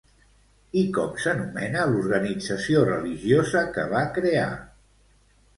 I com s'anomena l'organització religiosa que va crear?